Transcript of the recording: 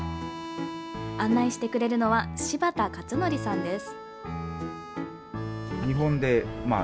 案内してくれるのは柴田勝典さんです。